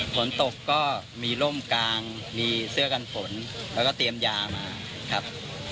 ฝนตกก็มีร่มกลางมีเสื้อกันฝนแล้วก็เตรียมยามาครับ